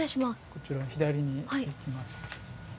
こちらを左に行きます。